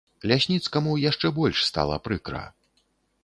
Лясніцкаму яшчэ больш стала прыкра.